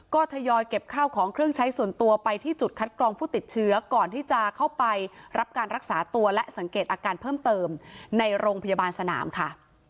ก็ทยอยเก็บข้าวของเครื่องใช้ส่วนตัวไปที่จุดคัดกรองผู้ติดเชื้อก่อนที่จะเข้าไปรับการรักษาตัวและสังเกตอาการเพิ่มเติมในโรงพยาบาลสนามค่ะ